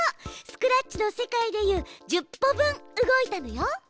スクラッチの世界でいう１０歩分動いたのよ。